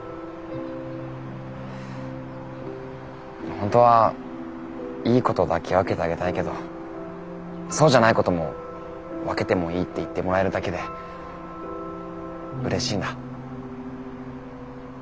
ほんとはいいことだけ分けてあげたいけどそうじゃないことも分けてもいいって言ってもらえるだけでうれしいんだ。